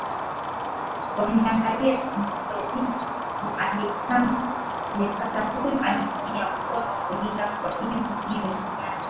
Wangeangalia sehemu moja hivyo aliyemkata huyu alitumia mkono wa kulia kwa hivyo sio Juliana